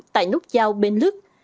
tại nút giao bến lức